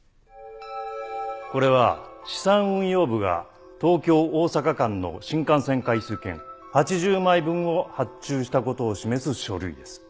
これは資産運用部が東京・大阪間の新幹線回数券８０枚分を発注した事を示す書類です。